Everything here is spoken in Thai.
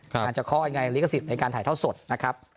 อาจจะเคาะยังไงลิขสิทธิ์ในการถ่ายทอดสดนะครับ